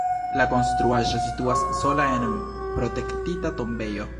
La konstruaĵo situas sola en protektita tombejo.